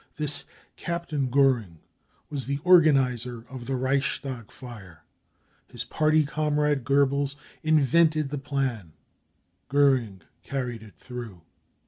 This Captain Goering was the organiser of the Reichstag fire. His party comrade Goebbels invented the plan. Goering carried it through.